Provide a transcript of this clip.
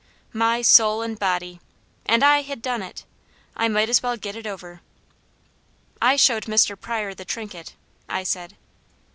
My soul and body! AND I HAD DONE IT! I might as well get it over. "I showed Mr. Pryor the trinket," I said.